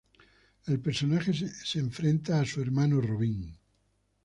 El personaje se enfrente a su hermano, "Robin".